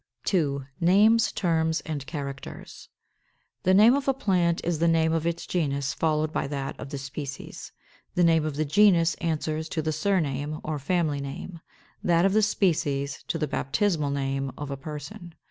§ 2. NAMES, TERMS, AND CHARACTERS. 535. The name of a plant is the name of its genus followed by that of the species. The name of the genus answers to the surname (or family name); that of the species to the baptismal name of a person.